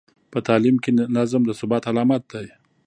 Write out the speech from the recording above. په تعلیم کې نظم د ثبات علامت دی.